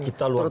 kita luar biasa